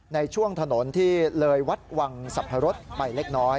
ในช่วงถนนที่เลยวัดหวังจับหรดไปเล็ก